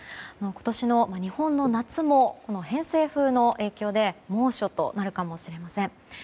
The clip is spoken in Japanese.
今年の日本の夏も偏西風の影響で猛暑となるかもしれません。